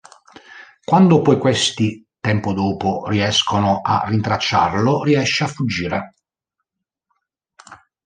Quando poi questi, tempo dopo, riescono a rintracciarlo, riesce a fuggire.